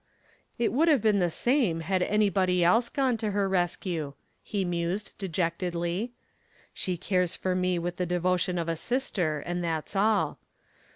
"It would have been the same had anybody else gone to her rescue," he mused dejectedly. "She cares for me with the devotion of a sister and that's all.